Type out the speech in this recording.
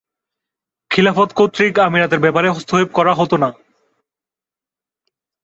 খিলাফত কর্তৃক আমিরাতের ব্যাপারে হস্তক্ষেপ করা হত না।